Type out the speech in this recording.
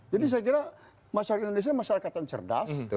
jadi saya kira masyarakat indonesia masyarakatan cerdas